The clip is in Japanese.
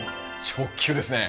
直球ですね。